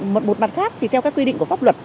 một mặt khác thì theo các quy định của pháp luật